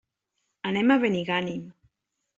Anem a Benigànim.